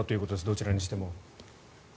どちらにしても。